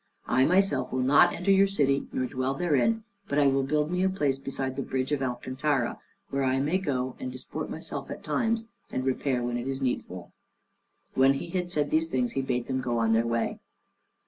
I myself will not enter your city nor dwell therein, but I will build me a place beside the bridge of Alcantara, where I may go and disport myself at times, and repair when it is needful." When he had said these things he bade them go their way.